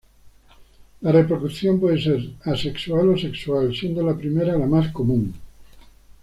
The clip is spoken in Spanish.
La reproducción puede ser asexual o sexual, siendo la primera la más común.